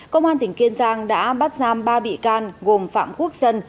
công an tỉnh kiên giang đã bắt giam ba bị can gồm phạm quốc dân